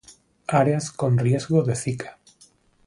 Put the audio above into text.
Áreas con riesgo de zika